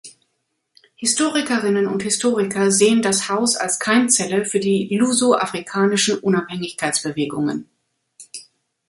Historikerinnen und Historiker sehen das Haus als Keimzelle für die luso-afrikanischen Unabhängigkeitsbewegungen.